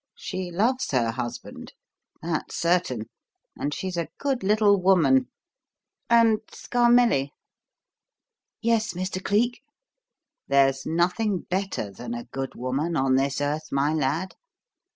She loves her husband that's certain and she's a good little woman; and, Scarmelli!" "Yes, Mr. Cleek?" "There's nothing better than a good woman on this earth, my lad.